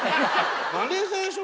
マネージャーでしょ